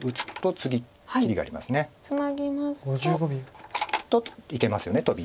ツナぎますと。といけますよねトビ。